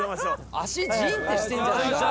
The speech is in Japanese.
足ジンってしてんじゃないか？